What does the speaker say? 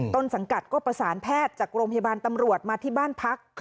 ต้นสังกัดก็ประสานแพทย์จากโรงพยาบาลตำรวจมาที่บ้านพัก